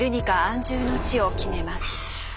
安住の地を決めます。